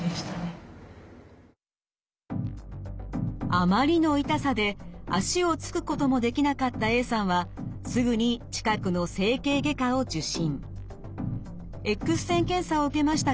あまりの痛さで足を着くこともできなかったＡさんはすぐに近くの整形外科を受診。